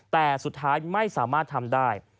แต่สุดท้ายไม่สามารถทำได้